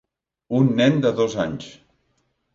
Un nen de dos anys.